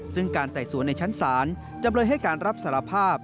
ซึ่งการไต่สวนในชั้นศาลจำเลยให้การรับสารภาพ